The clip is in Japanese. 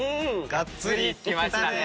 がっつりいきましたね。